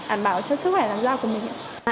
ản bảo chất sức khỏe làm da của mình ạ